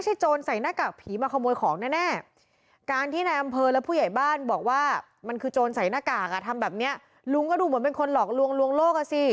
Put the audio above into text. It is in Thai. ตอนที่มาทดลองอันนี้พาลุงพี่เชียนมาให้ดูด้วยนะคะ